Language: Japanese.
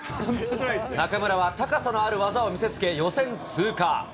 中村は高さのある技を見せつけ、予選通過。